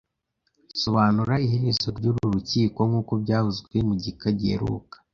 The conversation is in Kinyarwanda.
Sobanura iherezo ryuru rukiko nkuko byavuzwe mu gika giheruka